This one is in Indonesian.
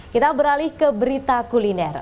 kita beralih ke berita kuliner